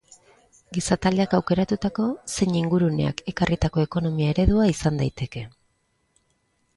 Gizataldeak aukeratutako zein inguruneak ekarritako ekonomia-eredua izan daiteke.